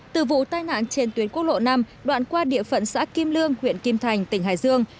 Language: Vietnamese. từ vụ tai nạn trên tuyến quốc lộ năm đoạn qua địa phận xã kim lương huyện kim thành tỉnh hải dương